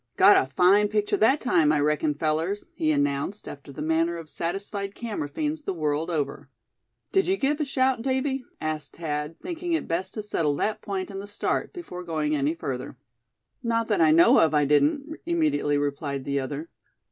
"Got a fine picture that time, I reckon, fellers," he announced, after the manner of satisfied camera fiends the world over. "Did you give a shout, Davy?" asked Thad, thinking it best to settle that point in the start, before going any further. "Not that I know of, I didn't," immediately replied the other.